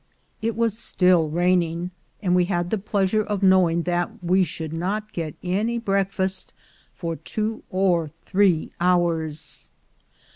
It was still raining, and we had the pleasure of knowing that we should not get any breakfast for two or three hours.